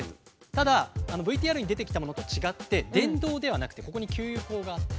ただＶＴＲに出てきたものと違って電動ではなくてここに給油口があって。